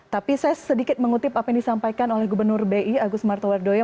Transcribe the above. tapi saya sedikit mengutip apa yang disampaikan oleh gubernur bi agus martowardoyo